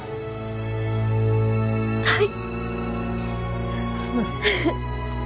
はい。